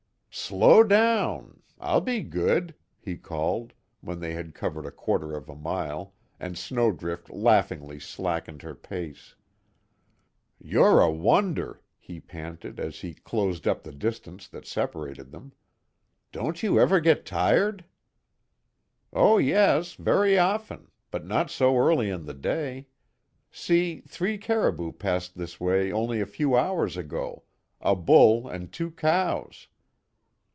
"Slow down! I'll be good!" he called, when they had covered a quarter of a mile, and Snowdrift laughingly slackened her pace. "You're a wonder!" he panted, as he closed up the distance that separated them, "Don't you ever get tired?" "Oh, yes, very often. But, not so early in the day. See, three caribou passed this way only a few hours ago a bull and two cows."